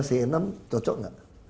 ktpnya sama c enam cocok gak